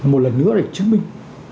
một lần nữa để chứng minh